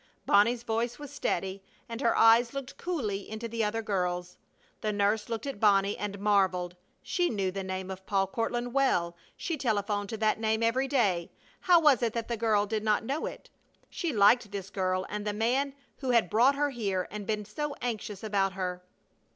Bonnie's voice was steady, and her eyes looked coolly into the other girl's. The nurse looked at Bonnie and marveled. She knew the name of Paul Courtland well; she telephoned to that name every day. How was it that the girl did not know it? She liked this girl and the man who had brought her here and been so anxious about her.